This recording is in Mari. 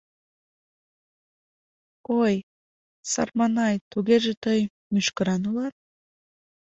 Ой, сарманай, тугеже тый мӱшкыран улат.